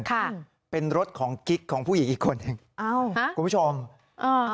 ค่ะเป็นรถของกิ๊กของผู้หญิงอีกคนหนึ่งอ้าวฮะคุณผู้ชมอ่า